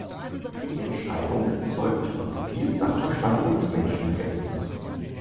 Die Entscheidung zeugt von viel Sachverstand und Menschenkenntnis.